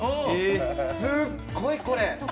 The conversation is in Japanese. すっごい、これ。